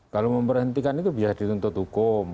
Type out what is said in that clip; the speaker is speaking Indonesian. kalau memberhentikan itu biasa dituntut hukum